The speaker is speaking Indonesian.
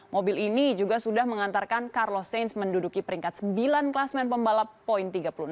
mobil ini juga sudah mengantarkan carlo sains menduduki peringkat sembilan klasmen pembalap poin tiga puluh enam